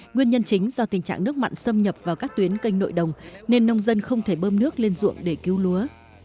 nguyên nhân chính do tình trạng nước mặn xâm nhập vào các tuyến kênh nội đồng nên nông dân không thể bơm nước lên ruộng để cứu lúa